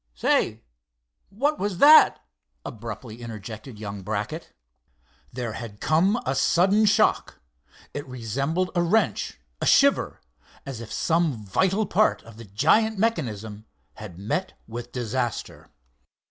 "Say, what was that?" abruptly interjected young Brackett. There had come a sudden shock. It resembled a wrench, a shiver; as if some vital part of the giant mechanism had met with disaster.